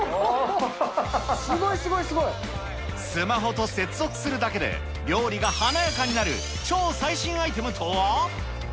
すごい、すごい、スマホと接続するだけで、料理が華やかになる、超最新アイテムとは。